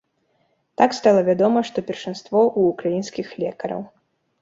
Так стала вядома, што першынство ў украінскіх лекараў.